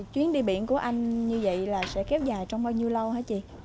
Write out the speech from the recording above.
chuyến đi biển của anh như vậy là sẽ kéo dài trong bao nhiêu lâu hết chị